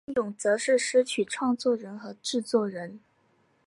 振永则是词曲创作人和制作人。